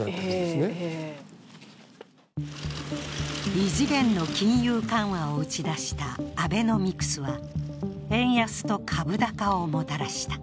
異次元の金融緩和を打ち出したアベノミクスは円安と株高をもたらした。